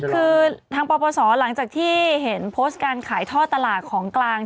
คือทางปปศหลังจากที่เห็นโพสต์การขายท่อตลาดของกลาง